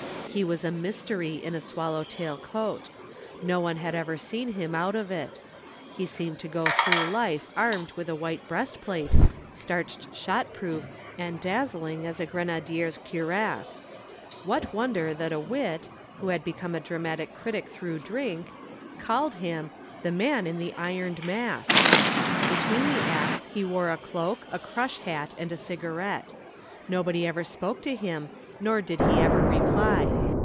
He was a mystery in a swallow tail coat. No one had ever seen him out of it. He seemed to go through life armed with a white breastplate, starched shot proof and dazzling as a grenadier's cuirass. What wonder that a wit (who had become a dramatic critic through drink) called him. "The Man in the Ironed Mask." Between the acts he wore a cloak, a crush hat and a cigarette. Nobody ever spoke to him nor did he ever reply.